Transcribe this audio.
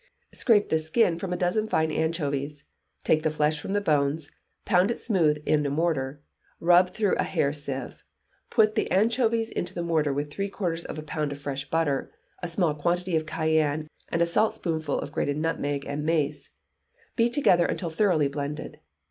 Scrape the skin from a dozen fine anchovies, take the flesh from the bones, pound it smooth in a mortar; rub through a hair sieve, put the anchovies into the mortar with three quarters of a pound of fresh butter, a small quantity of cayenne, and a saltspoonful of grated nutmeg and mace; beat together until thoroughly blended.